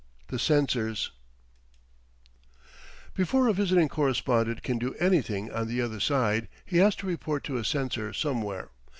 THE CENSORS Before a visiting correspondent can do anything on the other side he has to report to a censor somewhere.